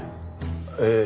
ええ。